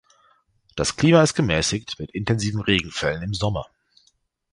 Das Klima ist gemäßigt mit intensiven Regenfällen im Sommer.